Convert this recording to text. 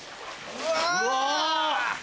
うわ！